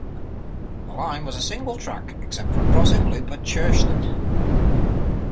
The line was single-track except for a crossing loop at Churston.